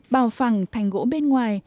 bảo phẳng thành gỗ bên ngoài